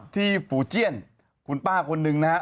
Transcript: ที่ฟูเจียนคุณป้าคนนึงนะฮะ